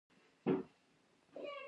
بلکې دا د بشر له فکر سره مل تصورات دي.